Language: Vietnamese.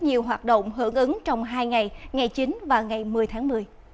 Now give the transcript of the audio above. nhiều hoạt động hưởng ứng trong hai ngày ngày chín và ngày một mươi tháng một mươi